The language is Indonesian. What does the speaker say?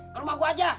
ke rumah gue aja